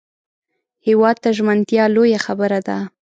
هېواد ته ژمنتیا لویه خبره ده